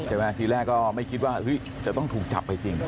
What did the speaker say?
ทีแรกก็ไม่คิดว่าจะต้องถูกจับไปจริง